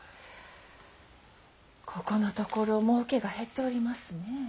ここのところもうけが減っておりますね。